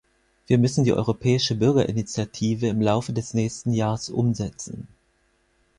Wir müssen die Europäische Bürgerinitiative im Laufe des nächsten Jahrs umsetzen.